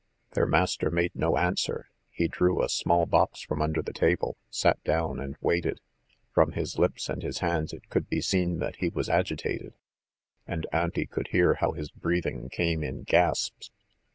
Their master made no answer. He drew a small box from under the table, sat down, and waited. From his lips and his hands it could be seen that he was agitated, and Auntie could hear how his breathing came in gasps.